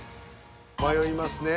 迷いますね